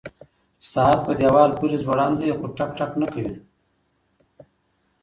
ساعت په دیوال پورې ځوړند دی خو ټک ټک نه کوي.